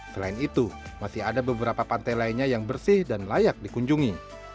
selain itu masih ada beberapa pantai lainnya yang bersih dan layak dikunjungi